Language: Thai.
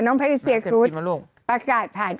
น้องพะทิเซียกู๊ดประกาศผ่าน